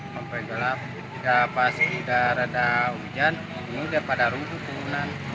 sampai gelap pas sudah rada hujan ini sudah pada rumput keunan